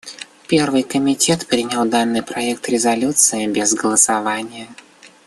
Первый комитет принял данный проект резолюции без голосования.